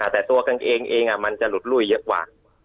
แต่ตัวกางเกงเองมันจะหลุดลุยเยอะกว่า